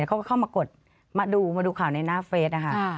เขาก็เข้ามากดมาดูข่าวในหน้าเฟสค่ะ